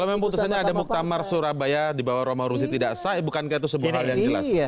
kalau memang putusannya ada muktamar surabaya di bawah romah ruzi tidak sah bukankah itu sebuah hal yang jelas